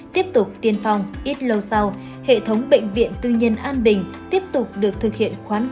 tiếp tục tiên phong ít lâu sau hệ thống bệnh viện tư nhân an bình tiếp tục được thực hiện khoán